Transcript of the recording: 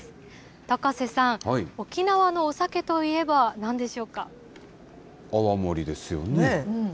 高瀬さん、沖縄のお酒といえばな泡盛ですよね。